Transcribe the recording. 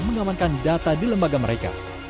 mengamankan data di lembaga mereka